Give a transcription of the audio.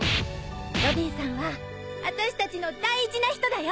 ロビンさんは私たちの大事な人だよ。